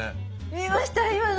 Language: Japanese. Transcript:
見ました今の？